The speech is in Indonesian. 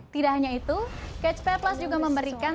tidak hanya itu catch play plus juga memberikan